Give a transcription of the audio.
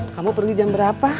kamu pergi jam berapa